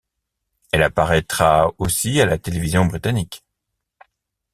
Elle apparaitra aussi à la télévision britannique.